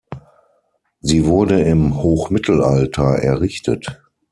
Sie wurde im Hochmittelalter errichtet.